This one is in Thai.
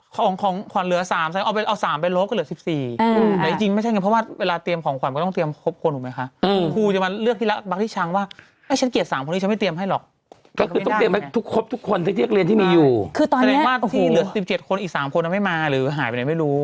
คนที่เรียกเรียนที่มีอยู่แสดงว่าครูเหลือ๑๗คนอีก๓คนไม่มาหรือหายไปไหนไม่รู้